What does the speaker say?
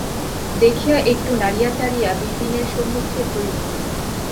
দেখিয়া একটু নাড়িয়া চাড়িয়া বিপিনের সম্মুখে ধরিল।